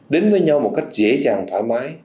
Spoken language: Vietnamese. đến với nhau một cách dễ dàng thoải mái